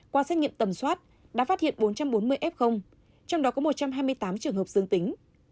qua xét nghiệm tầm soát đã phát hiện bốn trăm bốn mươi f trong đó có một trăm hai mươi tám trường hợp dương tính